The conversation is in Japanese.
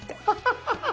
ハハハハ！